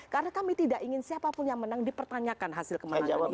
karena kami tidak ingin siapapun yang menang dipertanyakan hasil kemenangan ini